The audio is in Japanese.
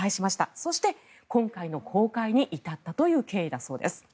そして、今回の公開に至ったという経緯だそうです。